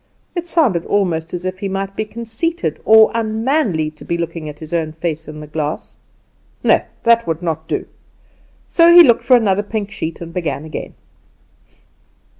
It sounded almost as if he might be conceited or unmanly to be looking at his own face in the glass. No, that would not do. So he looked for another pink sheet and began again.